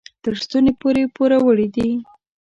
تر ستوني پورې پوروړي دي.